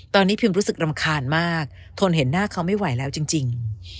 ตอนนี้พิมรู้สึกรำคาญมากทนเห็นหน้าเขาไม่ไหวแล้วจริง